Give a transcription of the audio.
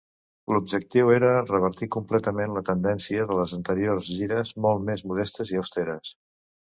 L'objectiu era revertir completament la tendència de les anteriors gires, molt més modestes i austeres.